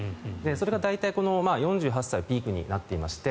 それが大体４８歳がピークになっていまして。